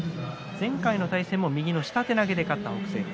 前回の対戦も右の下手投げで勝った北青鵬